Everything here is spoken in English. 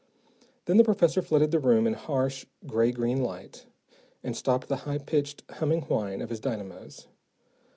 Then the professor flooded the room in harsh gray green light, and stopped the high pitched, humming whine of his dynamos.